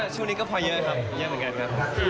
ช่วงนี้ก็พอเยอะครับ